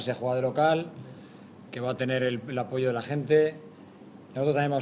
semoga kemampuan anda menikmati dan menikmati pertandingan ini